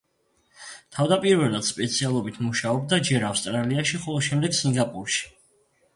თავდაპირველად სპეციალობით მუშაობდა ჯერ ავსტრალიაში, ხოლო შემდეგ სინგაპურში.